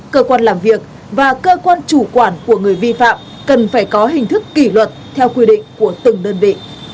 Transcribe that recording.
cơ quan làm việc và cơ quan chủ quản của người vi phạm cần phải có hình thức kỷ luật theo quy định của từng đơn vị